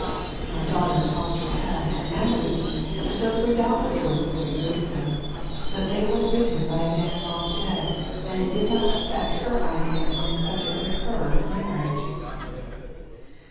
My daughter tossed her head and answered me that those were doubtless words of great wisdom, but they were written by a man long dead, and it did not affect her ideas upon the subject of her marriage.